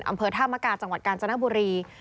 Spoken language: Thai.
อำเภอธามกาจังหวัดกาญจนบุรี